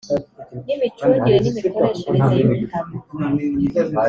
n imicungire n imikoreshereze y ubutaka